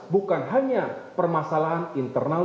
bukan hanya permasalahan internal